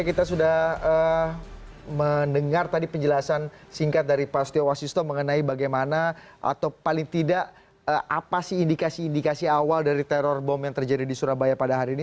kita sudah mendengar tadi penjelasan singkat dari pak stio wasisto mengenai bagaimana atau paling tidak apa sih indikasi indikasi awal dari teror bom yang terjadi di surabaya pada hari ini